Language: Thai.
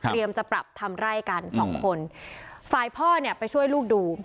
จะปรับทำไร่กันสองคนฝ่ายพ่อเนี่ยไปช่วยลูกดู